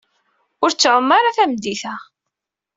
Ur tettɛumu ara tameddit-a.